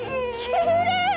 きれい！